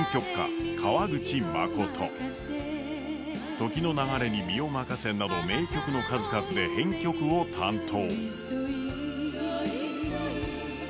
「時の流れに身をまかせ」など名曲の数々で編曲を担当。